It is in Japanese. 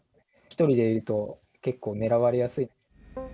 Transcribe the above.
１人でいると、結構、狙われやすい。